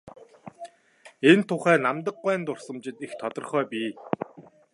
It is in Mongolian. Энэ тухай Намдаг гуайн дурсамжид их тодорхой бий.